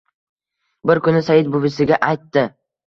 Bir kuni Said buvisiga aytdi.